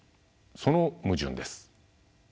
その矛盾です。